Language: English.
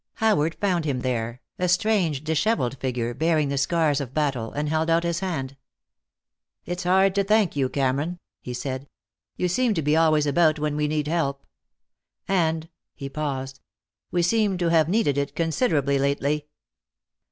Howard found him there, a strange, disheveled figure, bearing the scars of battle, and held out his hand. "It's hard to thank you, Cameron," he said; "you seem to be always about when we need help. And" he paused "we seem to have needed it considerably lately."